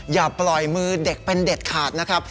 อย่าปล่อยมือเด็กเป็นเด็ดขาดนะครับ